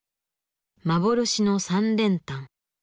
「幻の三連単」。